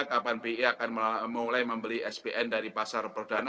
kapan bi akan mulai membeli spn dari pasar perdana